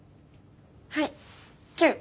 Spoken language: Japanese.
はいキュー！